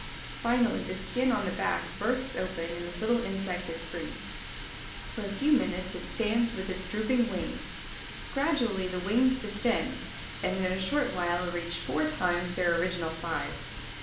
Finally the skin on the back bursts open and the little insect is free. For a few minutes it stands with drooping wings. Gradually the wings distend and in a short while reach four times their original size.